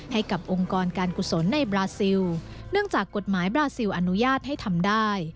ให้กับองค์กรการกุศลในบราซิลเนื่องจากกฎหมายบราซิลอนุญาตให้ทำได้